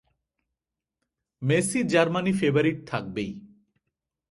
Messi Germany favourite থাকবেই।